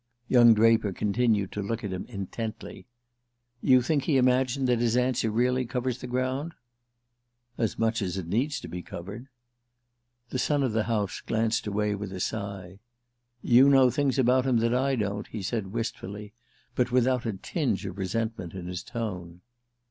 Young Draper continued to look at him intently. "You think he imagined that his answer really covers the ground?" "As much as it needs to be covered." The son of the house glanced away with a sigh. "You know things about him that I don't," he said wistfully, but without a tinge of resentment in his tone.